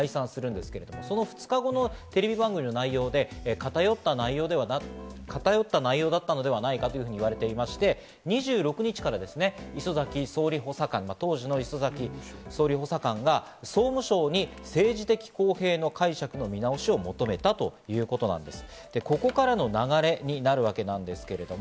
２０１４年の１１月の２１日に衆議院が解散するんですけれども、その２日後のテレビ番組の内容で、偏った内容だったのではないかと言われてまして、２６日からですね、当時の礒崎総理補佐官が総務省に政治的公平性の解釈の見直しを求めたということなんです。